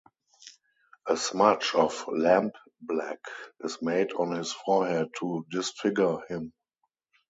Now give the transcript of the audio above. A smudge of lampblack is made on his forehead to disfigure him.